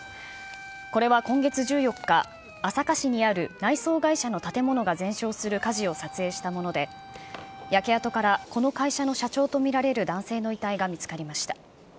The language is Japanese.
これは今月１４日、朝霞市にある内装会社の建物が全焼する火事を撮影したもので、焼け跡からこの会社の社長と見られる男性の遺体が見つかりました。